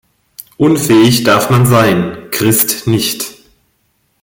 Unfähig darf man sein, Christ nicht.